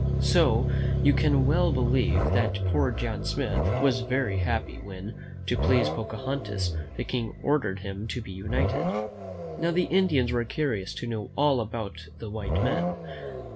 So you can well believe that poor John Smith was very happy when, to please Pocahontas, the King ordered him to be untied. Now, the Indians were curious to know all about the white men.